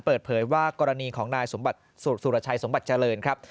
เปิดเผยว่ากรณีของนายสุรชัยสมบัติเจริญครับ